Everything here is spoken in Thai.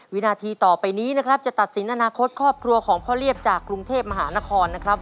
วินาทีต่อไปนี้นะครับจะตัดสินอนาคตครอบครัวของพ่อเรียบจากกรุงเทพมหานครนะครับ